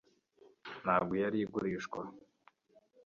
Ntabwo yari igurishwa